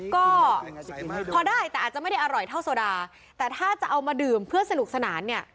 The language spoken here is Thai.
ก็พอได้แต่อาจจะไม่ได้อร่อยเท่าโซดาแต่ถ้าจะเอามาดื่มเพื่อสนุกสนานเนี่ย